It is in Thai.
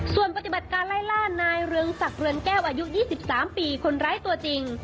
ส่วนปฏิบัติการไล่ล่านายเรืองสักเรือนแก้วอายุยี่สิบสามปีคนไร้ตัวจริง